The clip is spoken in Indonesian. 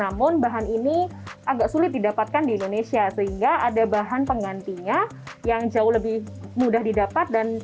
yang jauh lebih mudah didapat dan membuat kokedama yang lebih mudah didapatkan di indonesia sehingga ada bahan pengantinya yang jauh lebih mudah didapat dan